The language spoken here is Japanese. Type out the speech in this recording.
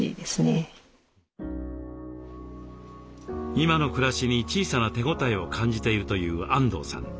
今の暮らしに小さな手応えを感じているというあんどうさん。